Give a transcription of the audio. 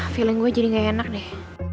feeling gue jadi gak enak deh